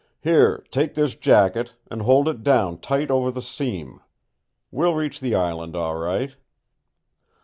"Here, take this jacket and hold it down tight over the seam. We'll reach the island, all right."